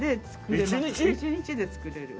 １日で作れる。